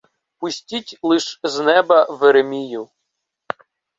Пустіть лиш з неба веремію